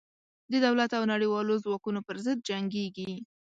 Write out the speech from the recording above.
د دولت او نړېوالو ځواکونو پر ضد جنګېږي.